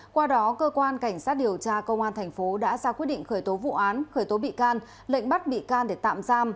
qua đó cơ quan cảnh sát điều tra công an thành phố đã ra quyết định khởi tố vụ án khởi tố bị can lệnh bắt bị can để tạm giam